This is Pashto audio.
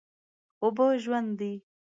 اوبه ژوند دي.